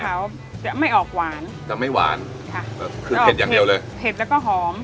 เขาจะไม่ออกหวานจะไม่หวานค่ะคือเผ็ดอย่างเดียวเลยเผ็ดแล้วก็หอม